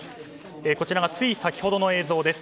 こちらがつい先ほどの映像です。